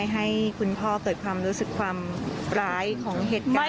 ให้คุณพ่อเกิดความรู้สึกความร้ายของเหตุการณ์